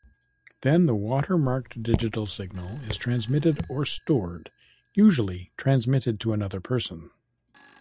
Then the watermarked digital signal is transmitted or stored, usually transmitted to another person.